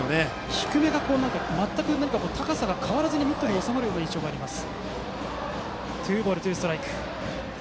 低めが全く高さが変わらずにミットに収まる印象があります。